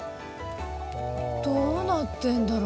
どうなってるんだろう？